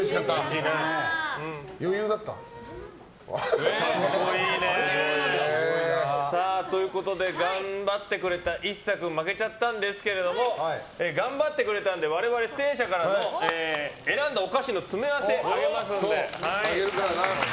余裕だった？ということで頑張ってくれた一颯君負けちゃったんですけど頑張ってくれたので我々、出演者から選んだお菓子の詰め合わせをあげますので。